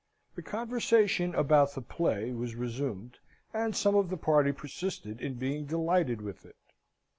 The conversation about the play was resumed, and some of the party persisted in being delighted with it.